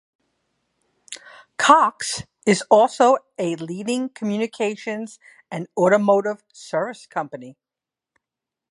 Cox is also a leading communications and automotive services company.